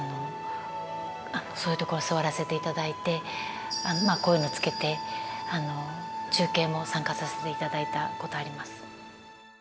そういうところ座らせていただいてこういうのつけて中継も参加させていただいたことあります。